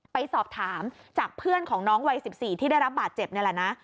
ไปสอบถามจากเพื่อนของน้องวัย๑๔ที่ได้รับบาดเจ็บนี่แหละนะ